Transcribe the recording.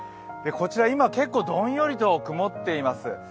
こちら、今結構どんよりと曇っています。